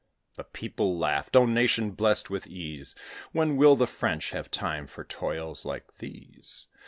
The people laughed oh, nation blessed with ease, When will the French have time for toils like these?